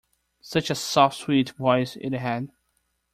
Such a soft sweet voice it had!